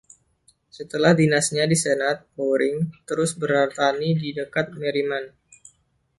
Setelah dinasnya di Senat, Bowring terus bertani di dekat Merriman.